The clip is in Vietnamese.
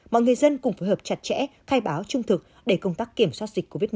mọi người dân cùng phối hợp chặt chẽ khai báo trung thực để công tác kiểm soát dịch covid một mươi